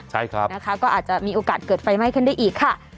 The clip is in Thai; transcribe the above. ใช่ครับนะคะก็อาจจะมีโอกาสเกิดไฟไหม้ขึ้นได้อีกค่ะ